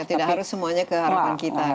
tidak harus semuanya ke harapan kita